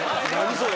それ。